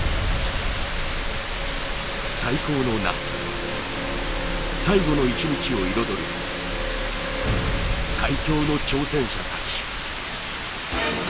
最高の夏、最後の一日を彩る最強の挑戦者たち。